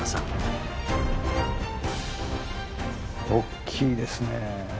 おっきいですね。